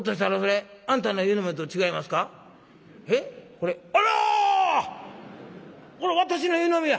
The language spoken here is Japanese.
これ私の湯飲みや。